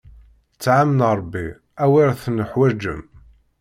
Ṭṭɛam n Ṛebbi, awer tenneḥwaǧem!